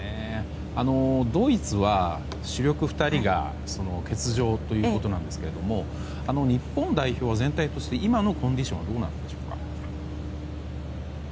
ドイツは、主力２人が欠場ということなんですが日本代表全体として今のコンディションはどうなんでしょうか。